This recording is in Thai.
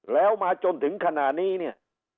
แล้วมาจนถึงขณะนี้เนี่ย